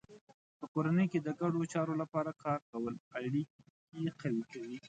په کورنۍ کې د ګډو چارو لپاره کار کول اړیکې قوي کوي.